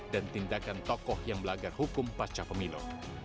dan tindakan tokoh yang melagar hukum pasca pemilu